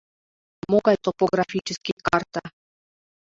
Могай топографический карта?